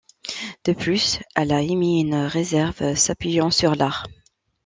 De plus, elle a émis une réserve s'appuyant sur l'art.